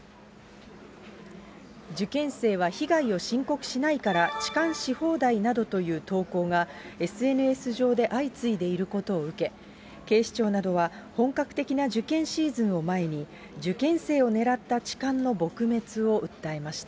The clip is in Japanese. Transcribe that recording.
受験生は被害を申告しないから、痴漢し放題などという投稿が、ＳＮＳ上で相次いでいることを受け、警視庁などは、本格的な受験シーズンを前に、受験生を狙った痴漢の撲滅を訴えました。